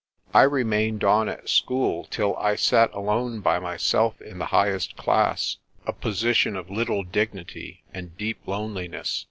I remained on at school till I sat alone by myself in the highest class a posi tion of little dignity and deep loneliness.